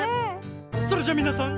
それじゃみなさん